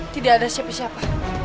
tidak ada siapa siapa